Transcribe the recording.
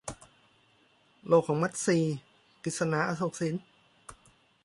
โลกของมัทรี - กฤษณา อโศกสิน